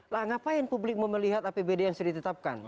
lah ngapain publik mau melihat apbd yang sudah ditetapkan